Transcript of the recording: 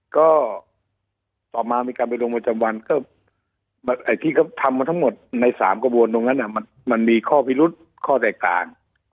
ก็ต่อมามีการไปลงประจำวันก็ไอ้ที่เขาทำมาทั้งหมดใน๓กระบวนตรงนั้นมันมีข้อพิรุษข้อแตกต่าง